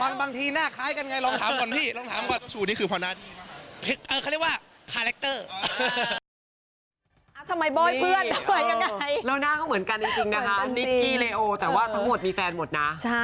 ลองถามก่อนนะบางทีน่าคล้ายกันไงลองถามก่อนพี่ลองถามก่อน